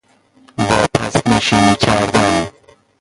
واپس نشینی کردن